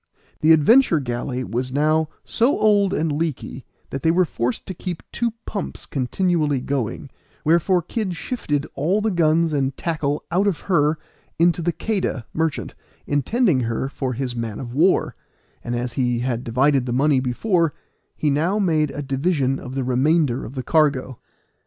The Adventure galley was now so old and leaky that they were forced to keep two pumps continually going, wherefore Kid shifted all the guns and tackle out of her into the Queda, merchant, intending her for his man of war; and as he had divided the money before, he now made a division of the remainder of the cargo.